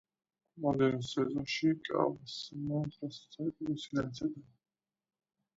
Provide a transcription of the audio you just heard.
მომდევნო სეზონში, კავსმა გასაოცარი პროგრესი განიცადა.